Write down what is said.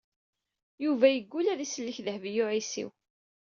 Yuba yeggul ad d-isellek Dehbiya u Ɛisiw.